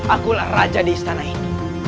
akulah raja di istana ini